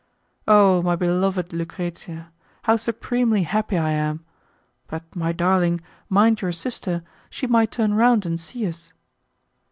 "Oh, my beloved Lucrezia! how supremely happy I am! But, my darling, mind your sister; she might turn round and see us."